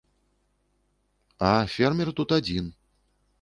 А, фермер тут адзін.